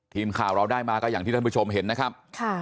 ทีมข่าวเราได้มาก็อย่างที่ท่านผู้ชมเห็นนะครับ